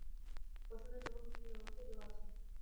উপাসনার যেমন কিছু নিয়ম আছে, এদেরও আছে।